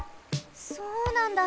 そうなんだ。